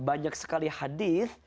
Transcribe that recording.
banyak sekali hadis